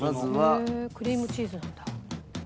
へえクリームチーズなんだ。